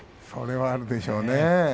それはあるでしょうね。